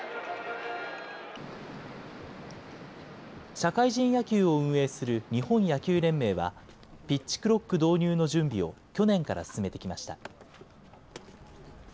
社会人野球を運営する日本野球連盟は、ピッチクロック導入の準備を去年から進めてきました。